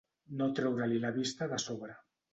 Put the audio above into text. No treure-li la vista de sobre.